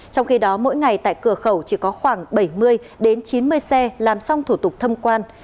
trong khi đó mỗi ngày tại cửa khẩu chỉ có khoảng bảy mươi chín mươi xe làm xong thủ tục thông quan